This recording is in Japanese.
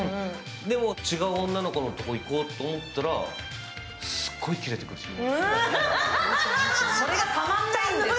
でも、違う女の子のところにいこうと思ったら、すごいキレてくるでしょ。